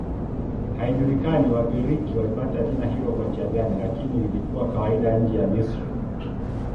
Haijulikani Wagiriki walipata jina hilo kwa njia gani, lakini lilikuwa kawaida nje ya Misri.